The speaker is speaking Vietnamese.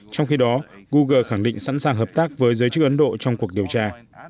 trong khi đó google khẳng định sẵn sàng hợp tác với giới chức ấn độ trong cuộc điều tra